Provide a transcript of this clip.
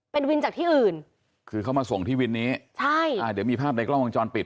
เป็นวินจากที่อื่นคือเขามาส่งที่วินนี้ใช่อ่าเดี๋ยวมีภาพในกล้องวงจรปิด